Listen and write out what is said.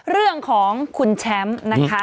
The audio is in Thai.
เรื่องของคุณแชมป์นะคะ